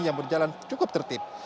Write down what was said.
yang berjalan cukup tertib